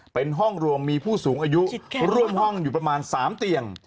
เป็นห้องรวมมีผู้สูงอายุร่วมห้องอยู่ประมาณ๓เตียง